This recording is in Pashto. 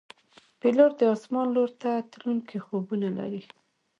پیلوټ د آسمان لور ته تلونکي خوبونه لري.